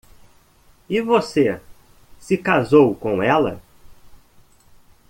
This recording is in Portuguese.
E você se casou com ela.